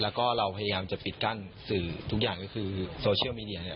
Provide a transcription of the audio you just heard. แล้วก็เราพยายามจะปิดกั้นสื่อทุกอย่างก็คือโซเชียลมีเดียเนี่ย